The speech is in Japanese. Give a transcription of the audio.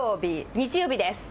日曜日です。